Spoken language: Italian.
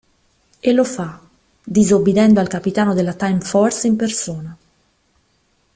E lo fa, disobbedendo al capitano della Time Force in persona.